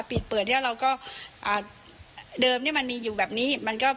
ปิดเปิดเท่าเราก็เดิมนี่มันมีอยู่แบบนี้มันเกาะ